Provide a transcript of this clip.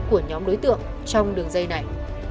của nhóm đối tượng trong đường dây này